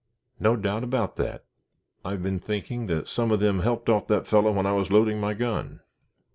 "No doubt about that. I've been thinking that some of them helped off that fellow when I was loading my gun."